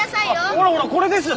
ほらほらこれです！